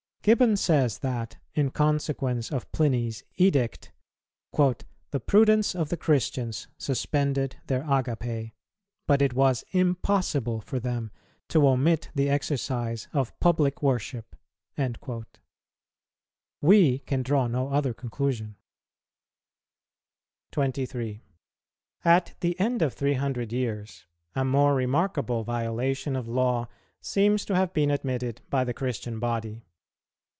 Gibbon says that, in consequence of Pliny's edict, "the prudence of the Christians suspended their Agapæ; but it was impossible for them to omit the exercise of public worship."[236:1] We can draw no other conclusion. 23. At the end of three hundred years, a more remarkable violation of law seems to have been admitted by the Christian body.